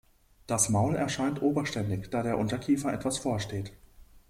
Das Maul erscheint oberständig, da der Unterkiefer etwas vorsteht.